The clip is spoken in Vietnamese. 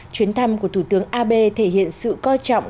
chuyến thăm của thủ tướng abe thể hiện sự coi trọng